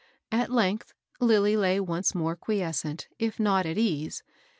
At length Lilly lay once more quiescent, if not at ease.